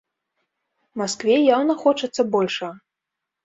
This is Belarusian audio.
Маскве яўна хочацца большага.